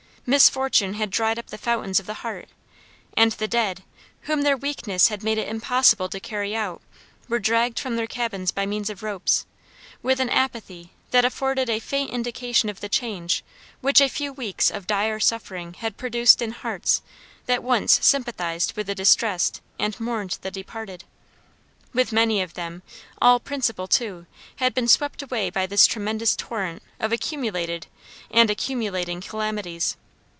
Misfortune had dried up the fountains of the heart; and the dead, whom their weakness had made it impossible to carry out, were dragged from their cabins by means of ropes, with an apathy that afforded a faint indication of the change which a few weeks of dire suffering had produced in hearts that once sympathized with the distressed and mourned the departed. With many of them, all principle, too, had been swept away by this tremendous torrent of accumulated, and accumulating calamities.